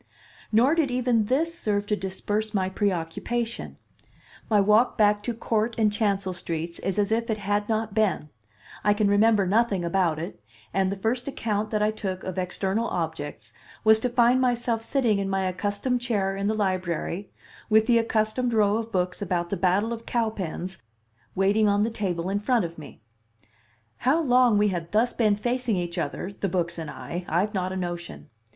Nor did even this serve to disperse my preoccupation; my walk back to Court and Chancel streets is as if it had not been; I can remember nothing about it, and the first account that I took of external objects was to find myself sitting in my accustomed chair in the Library, with the accustomed row of books about the battle of Cowpens waiting on the table in front of me. How long we had thus been facing each other, the books and I, I've not a notion.